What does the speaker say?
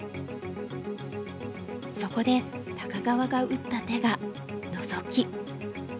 そこで高川が打った手がノゾキ。